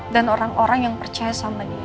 dan orang orang yang percaya sama dia